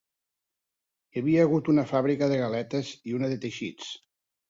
Hi havia hagut una fàbrica de galetes i una de teixits.